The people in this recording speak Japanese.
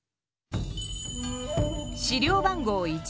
資料番号